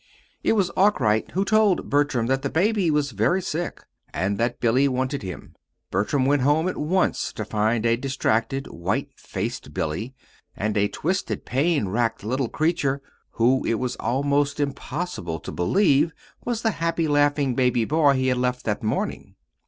It was Arkwright who told Bertram that the baby was very sick, and that Billy wanted him. Bertram went home at once to find a distracted, white faced Billy, and a twisted, pain racked little creature, who it was almost impossible to believe was the happy, laughing baby boy he had left that morning.